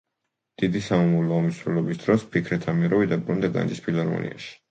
დიდი სამამულო ომის მსვლელობის დროს ფიქრეთ ამიროვი დაბრუნდა განჯის ფილარმონიაში.